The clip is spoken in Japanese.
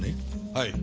はい。